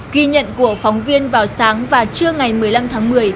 ghi nhận của phóng viên vào sáng và trưa ngày một mươi năm tháng một mươi